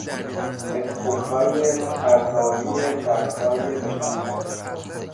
اسپوکهای پرتاوی چرخهای دوچرخه